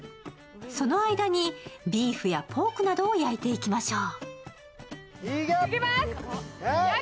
その間にビーフやポークなどを焼いていきましょう。